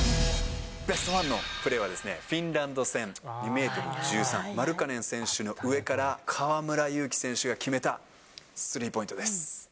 ベスト１のプレーは、フィンランド戦、２メートル１３、マルカネン選手の上から河村勇輝選手が決めたスリーポイントです。